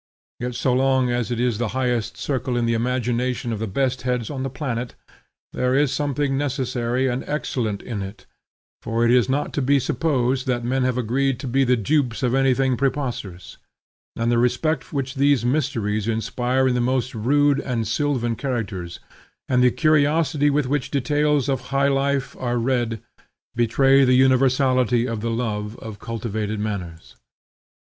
Yet so long as it is the highest circle in the imagination of the best heads on the planet, there is something necessary and excellent in it; for it is not to be supposed that men have agreed to be the dupes of anything preposterous; and the respect which these mysteries inspire in the most rude and sylvan characters, and the curiosity with which details of high life are read, betray the universality of the love of cultivated manners.